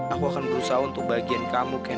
aku akan berusaha untuk kebahagiaan kamu ken